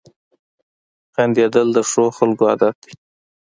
• خندېدل د ښو خلکو عادت دی.